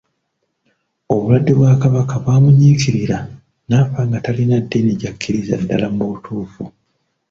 Obulwadde bwa Kabaka bwamunyiikirira n'afa nga talina ddiini gy'akkiririzza ddala mu butuufu.